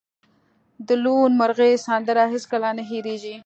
د لوون مرغۍ سندره هیڅکله نه هیریږي